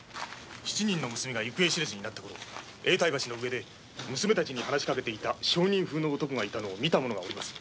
七人の娘が行方知れずになった頃永代橋の上で娘達に話しかけていた商人風の男がいたのを見た者がおります。